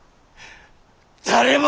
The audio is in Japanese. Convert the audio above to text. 誰も！